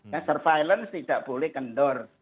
ya surveillance tidak boleh kendor